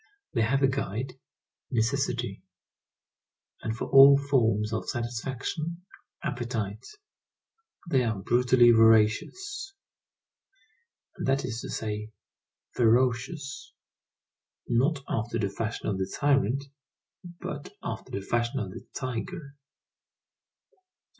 They have a guide, necessity; and for all forms of satisfaction, appetite. They are brutally voracious, that is to say, ferocious, not after the fashion of the tyrant, but after the fashion of the tiger.